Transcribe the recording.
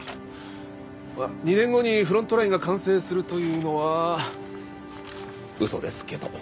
２年後にフロントラインが完成するというのは嘘ですけど。